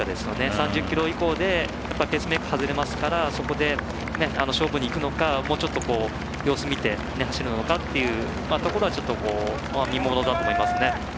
３０ｋｍ以降でペースメイクが外れますからそこで勝負にいくのかもうちょっと、様子見て走るのかっていうところはちょっと見ものだと思いますね。